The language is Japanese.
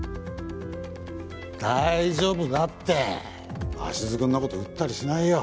大丈夫だって鷲津君のこと売ったりしないよ。